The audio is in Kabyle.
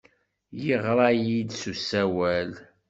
Yeɣra-iyi-d s usawal.